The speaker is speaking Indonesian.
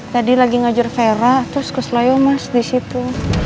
tadi lagi ngajar fera terus kusloyo mas disitu